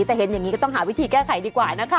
แต่เห็นอย่างนี้ก็ต้องหาวิธีแก้ไขดีกว่านะคะ